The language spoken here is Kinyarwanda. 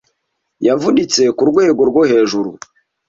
yavunitse kurwego rwo hejuru